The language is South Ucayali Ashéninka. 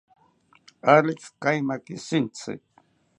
Alex, kaimaki shintzi